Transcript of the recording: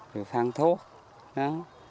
rồi phân thuốc đó